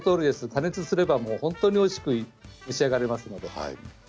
加熱すれば本当においしく召し上がれますので。